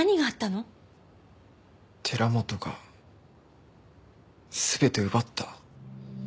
寺本が全て奪った。